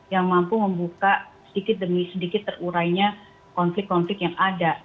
yang mampu membuka sedikit demi sedikit terurainya konflik konflik yang ada